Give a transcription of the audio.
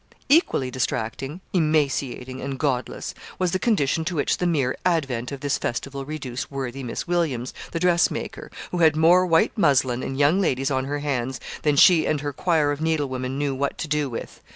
Equally distracting, emaciating, and godless, was the condition to which the mere advent of this festival reduced worthy Miss Williams, the dressmaker, who had more white muslin and young ladies on her hands than she and her choir of needle women knew what to do with.